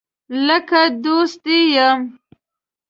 لکه دوست دي یم